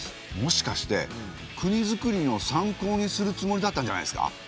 もしかして国づくりの参考にするつもりだったんじゃないですか？